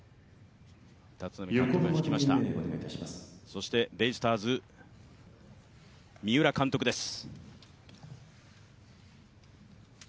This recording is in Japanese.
そしてベイスターズ、三浦監督です。